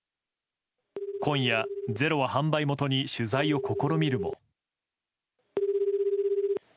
今夜、「ｚｅｒｏ」は販売元に取材を試みるも。